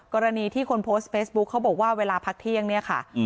กรณีที่คนโพสต์เฟซบุ๊คเขาบอกว่าเวลาพักเที่ยงเนี่ยค่ะ